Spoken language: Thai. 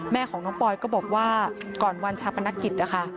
แม่ของน้องปอยก็บอกว่าก่อนวันชาปนกิจนะคะ